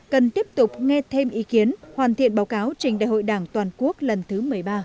cần tiếp tục nghe thêm ý kiến hoàn thiện báo cáo trình đại hội đảng toàn quốc lần thứ một mươi ba